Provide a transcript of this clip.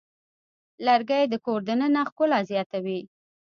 لرګی د کور دننه ښکلا زیاتوي.